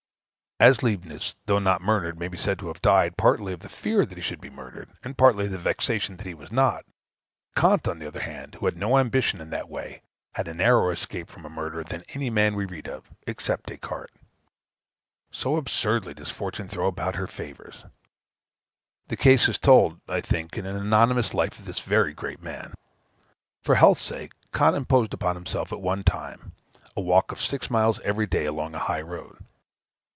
As Leibnitz, though not murdered, may be said to have died, partly of the fear that he should be murdered, and partly of vexation that he was not, Kant, on the other hand who had no ambition in that way had a narrower escape from a murderer than any man we read of, except Des Cartes. So absurdly does fortune throw about her favors! The case is told, I think, in an anonymous life of this very great man. For health's sake, Kant imposed upon himself, at one time, a walk of six miles every day along a highroad.